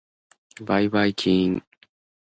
ばいばいきーーーん。